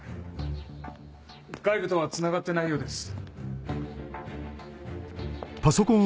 外部とはつながってないようです。